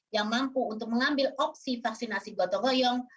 yang mampu untuk mengambil opsi vaksinasi goto goyong